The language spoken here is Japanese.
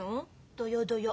どよどよ。